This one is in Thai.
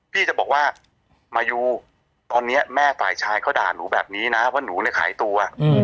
พี่จะบอกว่ามายูตอนนี้แม่ฝ่ายชายเขาด่าหนูแบบนี้นะว่าหนูเนี่ยขายตัว